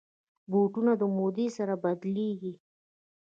بوټونه د مودې سره بدلېږي.